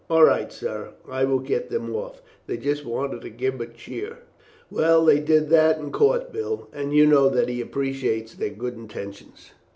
"All right, sir, I will get them off. They just wanted to give him a cheer." "Well, they did that in Court, Bill, and you know that he appreciates their good intentions.